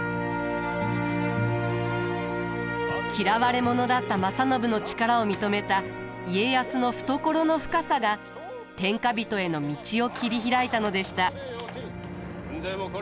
嫌われ者だった正信の力を認めた家康の懐の深さが天下人への道を切り開いたのでした。